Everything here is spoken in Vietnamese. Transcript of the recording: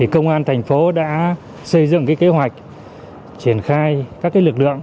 công an thành phố đã xây dựng kế hoạch triển khai các lực lượng